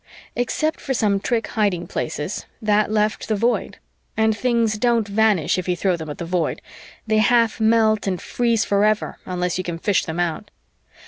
Except for some trick hiding places, that left the Void, and things don't vanish if you throw them at the Void they half melt and freeze forever unless you can fish them out.